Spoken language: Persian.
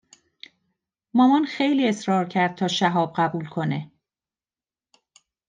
مامان خیلی اصرار کرد تا شهال قبول کنه